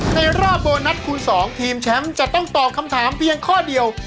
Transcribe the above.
ในรอบโบนัสคูณ๒ทีมแชมป์จะต้องตอบคำถามเพียงข้อเดียว